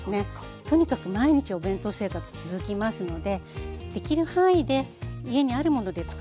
とにかく毎日お弁当生活続きますのでできる範囲で家にあるものでつくる。